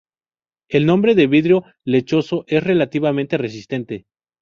El nombre de vidrio lechoso es relativamente reciente.